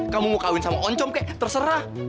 kamu mau kawin sama oncom kek terserah